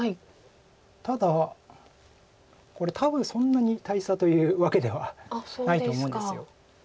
ただこれ多分そんなに大差というわけではないと思うんです。